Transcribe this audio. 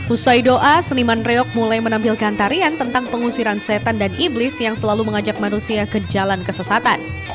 usai doa seniman reok mulai menampilkan tarian tentang pengusiran setan dan iblis yang selalu mengajak manusia ke jalan kesesatan